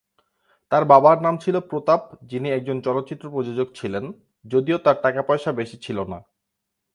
তার বাবার নাম ছিলো প্রতাপ যিনি একজন চলচ্চিত্র প্রযোজক ছিলেন, যদিও তার টাকা পয়সা বেশি ছিলোনা।